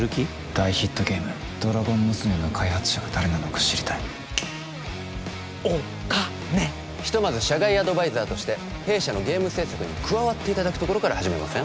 大ヒットゲーム「ドラゴン娘」の開発者が誰なのか知りたいおかねひとまず社外アドバイザーとして弊社のゲーム制作に加わっていただくところから始めません？